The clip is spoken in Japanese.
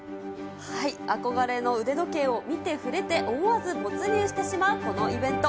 憧れの腕時計を見て、触れて、思わず没入してしまうこのイベント。